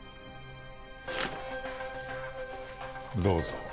どうぞ。